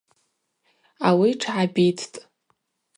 Ауи тшгӏабиттӏ.